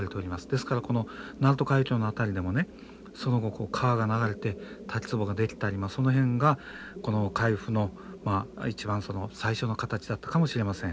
ですからこの鳴門海峡の辺りでもねその後川が流れて滝つぼが出来たりその辺がこの海釜の一番最初の形だったかもしれません。